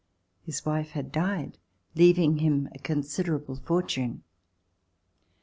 His wife had died, leaving him a considerable fortune.